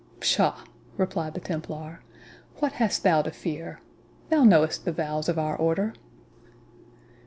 "Psha," replied the Templar, "what hast thou to fear?—Thou knowest the vows of our order."